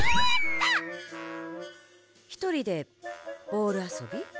ひとりでボールあそび？